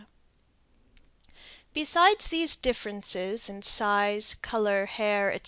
Besides these differences in size, color, hair, etc.